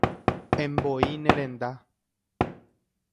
Emboí ne renda.